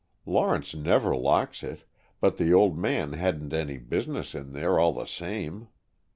Lawrence never locks it, but the old man hadn't any business in there, all the same.